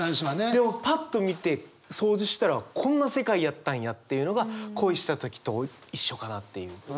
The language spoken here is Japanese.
でもパッと見て掃除したらこんな世界やったんやっていうのが恋した時と一緒かなっていう。